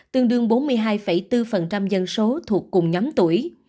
tương đương bốn mươi hai bốn dân số thuộc cùng nhóm tuổi